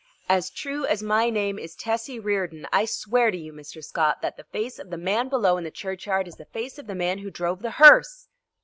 "As true as my name is Tessie Reardon, I swear to you, Mr. Scott, that the face of the man below in the churchyard is the face of the man who drove the hearse!"